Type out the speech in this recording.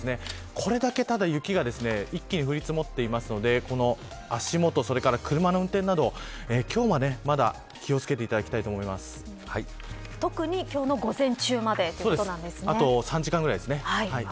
これだけ雪が一気に降り積もっているので足元、それから車の運転など今日は、まだ気を付けて特に今日の午前中まであと３時間ぐらいですね。